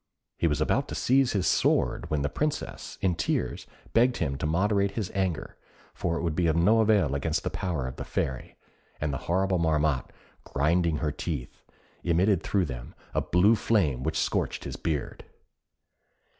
He was about to seize his sword when the Princess, in tears, begged him to moderate his anger, for it would be of no avail against the power of the Fairy; and the horrible Marmotte, grinding her teeth, emitted through them a blue flame which scorched his beard.